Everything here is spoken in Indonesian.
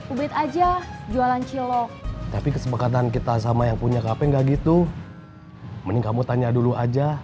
ubed aja jualan cilok tapi kesepekatan kita sama yang punya kp nggak gitu mending kamu tanya dulu aja